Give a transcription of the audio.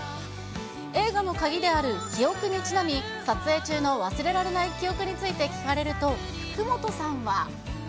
映画の鍵である記憶にちなみ、撮影中の忘れられない記憶について聞かれると、福本さんは。